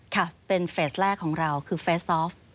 ค่ะเป็นเฟสแรกของเราคือเฟสซอฟ